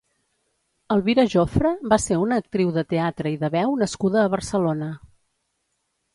Elvira Jofre va ser una actriu de teatre i de veu nascuda a Barcelona.